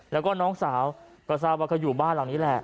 แล้วก็น้องสาวกระซาวะอยู่บ้านเหล่านี้แหละ